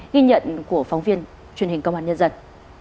ghi nhận của phóng viên truyền hình công an nhân dân